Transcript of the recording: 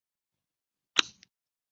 出身于千叶县船桥市。